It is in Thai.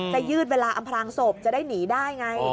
ยืดเวลาอำพลางศพจะได้หนีได้ไง